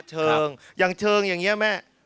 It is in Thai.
เชิงอย่างเชิงอย่างนี้แม่